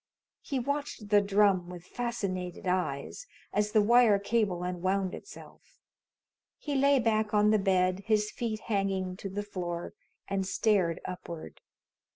He watched the drum with fascinated eyes, as the wire cable unwound itself. He lay back on the bed, his feet hanging to the floor, and stared upward.